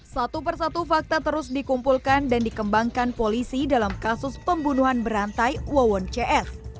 satu persatu fakta terus dikumpulkan dan dikembangkan polisi dalam kasus pembunuhan berantai wawon cs